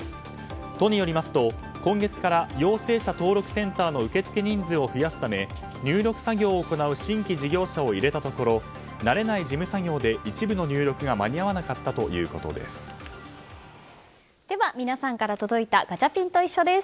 都によりますと今月から陽性者登録センターの受け付け人数を増やすため入力作業を行う新規事業者を入れたところ慣れない事務作業で一部の入力が間に合わなかったということです。